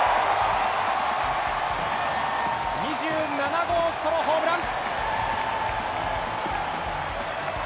２７号ソロホームラン！